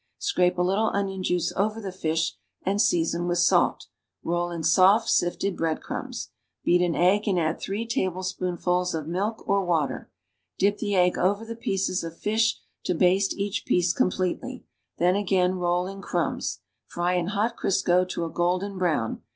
Scrape a little onion juice over the fish and season with salt; roll in soft, sifted Ijread crumbs. Beat an egg and add three tablespoonfuls of milk or water; dip the egg over the pieces of fish to baste each piece completely, then again roll in crumbs; fry in hot Crisco to a golden brown.